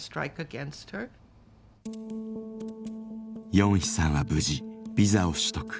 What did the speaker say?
ヨンヒさんは無事ビザを取得。